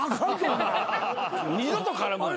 二度と絡むなよ。